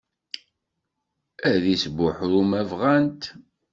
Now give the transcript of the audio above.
Ad isbuḥru ma bɣant.